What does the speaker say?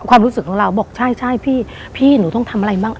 ความรู้สึกของเราบอกใช่พี่หนูต้องทำอะไรบ้าง